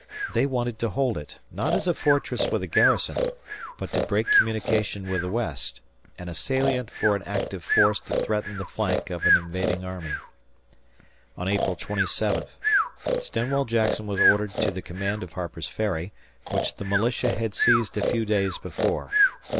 They wanted to hold it, not as a fortress with a garrison, but to break communication with the West, and a salient for an active force to threaten the flank of an invading army. On April 27, Stonewall Jackson was ordered to the command of Harper's Ferry, which the militia had seized a few days before.